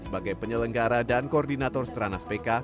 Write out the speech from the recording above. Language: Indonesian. sebagai penyelenggara dan koordinator stranas pk